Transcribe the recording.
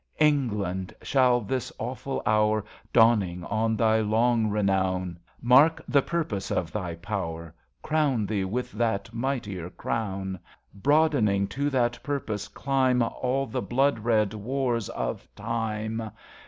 England, could this awful hour, Dawning on thy long renown, Mark the purpose of thy power. Crown thee with that mightier crown ! Broadening to that purpose climb All the blood red wars of Time.